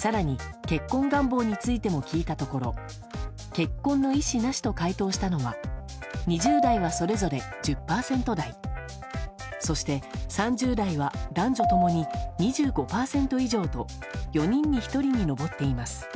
更に、結婚願望についても聞いたところ結婚の意思なしと回答したのは２０代はそれぞれ１０％台そして３０代は男女共に２５％以上と４人に１人に上っています。